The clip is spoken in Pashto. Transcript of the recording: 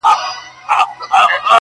o ادبي نړۍ کي نوم لري تل,